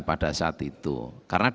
pada saat itu karena